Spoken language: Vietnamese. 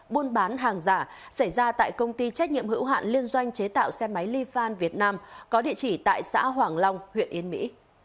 buôn bán hàng giả xảy ra tại công ty trách nhiệm hữu hạn liên doanh chế tạo xe máy li fan việt nam có địa chỉ tại xã hoàng long huyện yên mỹ